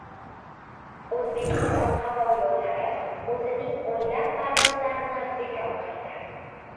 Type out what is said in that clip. «O‘zbekiston havo yo‘llari» o‘zining o‘nlab parvozlarini bekor qildi